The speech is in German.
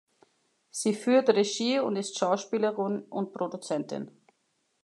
Sie führt Regie und ist Schauspielerin und Produzentin.